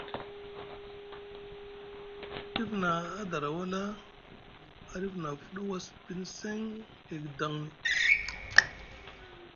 Ɗif na a dara wala a ɗif na a fuda was piŋ seŋ gay guidaŋni.